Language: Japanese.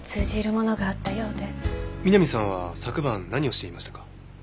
美波さんは昨晩何をしていましたか？